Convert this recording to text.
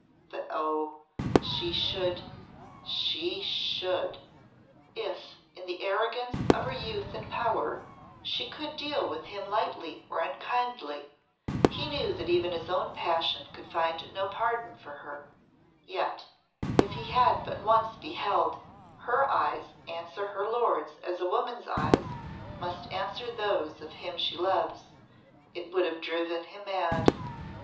But oh, she should she should!" If in the arrogance of her youth and power she could deal with him lightly or unkindly, he knew that even his own passion could find no pardon for her yet if he had but once beheld her eyes answer her lord's as a woman's eyes must answer those of him she loves, it would have driven him mad.